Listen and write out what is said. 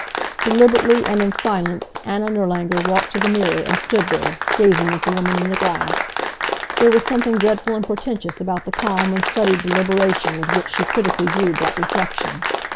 Deliberately and in silence Anna Nirlanger walked to the mirror and stood there, gazing at the woman in the glass. There was something dreadful and portentous about the calm and studied deliberation with which she critically viewed that reflection.